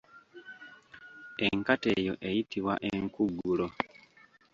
Enkata eyo eyitibwa enkuggulo.